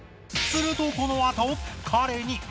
するとこのあと彼に。